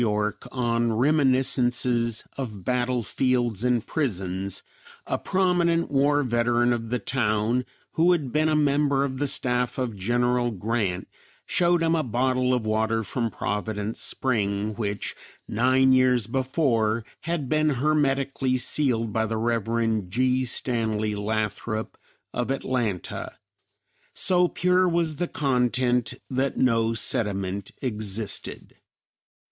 Y., on "Reminiscences of Battle fields and Prisons," a prominent war veteran of the town, who had been a member of the staff of General Grant, showed him a bottle of water from Providence Spring which nine years before had been hermetically sealed by the Rev. G. Stanley Lathrop of Atlanta. So pure was the content that no sediment existed.